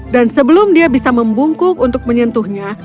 dan sebelum dia bisa membungkuk untuk menyentuhnya